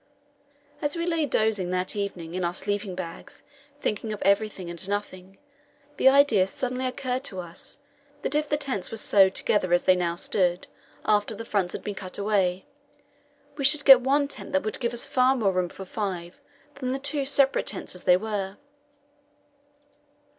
As we lay dozing that evening in our sleeping bags, thinking of everything and nothing, the idea suddenly occurred to us that if the tents were sewed together as they now stood after the fronts had been cut away we should get one tent that would give us far more room for five than the two separate tents as they were.